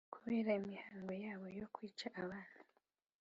Kubera imihango yabo yo kwica abana,